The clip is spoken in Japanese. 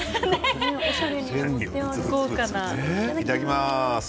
いただきます。